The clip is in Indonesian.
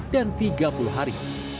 dan tiga puluh hari